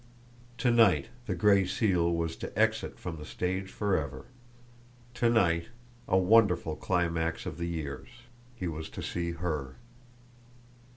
To night the Gray Seal was to exit from the stage forever! To night, a wonderful climax of the years, he was to see HER!